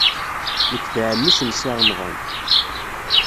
Nekk d ɛemmi-s n Si Remḍan.